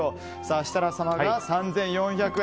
設楽様が３４００円。